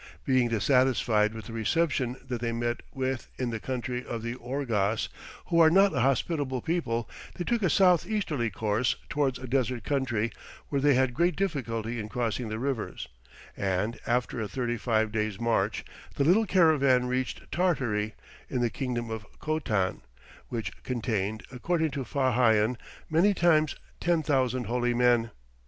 Being dissatisfied with the reception that they met with in the country of the Ourgas, who are not a hospitable people, they took a south easterly course towards a desert country, where they had great difficulty in crossing the rivers; and, after a thirty five days' march, the little caravan reached Tartary in the kingdom of Khotan, which contained, according to Fa Hian, "Many times ten thousand holy men."